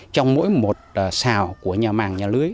trong mỗi một sào của nhà màng nhà lưới